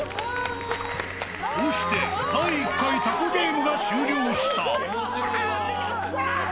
こうして、第１回タコゲームが終了した。